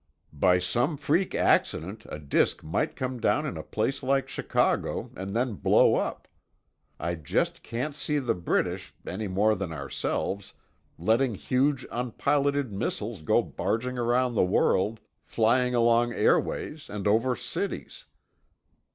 By some freak accident, a disk might come down in a place like Chicago, and then blow up. I just can't see the British—any more than ourselves—letting huge unpiloted missiles go barging around the world, flying along airways and over cities.